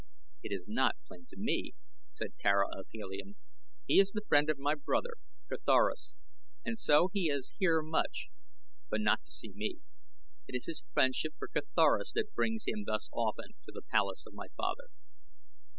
"It is not plain to me," said Tara of Helium. "He is the friend of my brother, Carthoris, and so he is here much; but not to see me. It is his friendship for Carthoris that brings him thus often to the palace of my father."